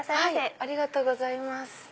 ありがとうございます。